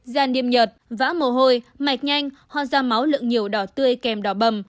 da niêm nhợt vã mồ hôi mạch nhanh hò da máu lượng nhiều đỏ tươi kèm đỏ bầm